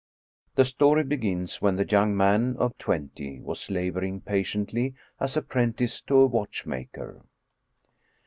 The story be gins when the young man of twenty was laboring patiently as ap prentice to a watchmaker.